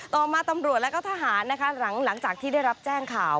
ต่อมาตำรวจแล้วก็ทหารนะคะหลังจากที่ได้รับแจ้งข่าว